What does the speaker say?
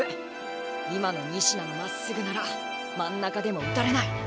今の仁科のまっすぐなら真ん中でも打たれない。